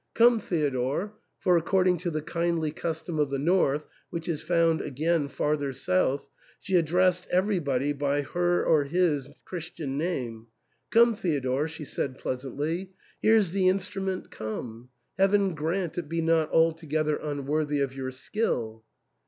"Come, Theodore "— (for, according to the kindly custom of the North, which is found again farther south, she addressed everybody by his or her Christian name) —" Come, Theodore," she said pleasantly, "here's the instrument come. Heaven grant it be not altogether unworthy of your skill